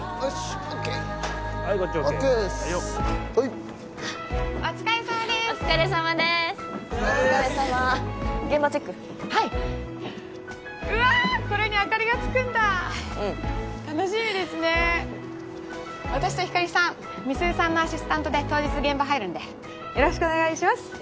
美鈴さんのアシスタントで当日現場入るんでよろしくお願いします。